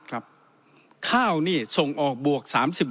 ครับข้าวนี้ส่งออกบวก๓๖